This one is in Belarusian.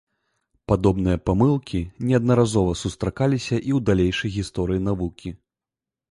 Падобныя памылкі неаднаразова сустракаліся і ў далейшай гісторыі навукі.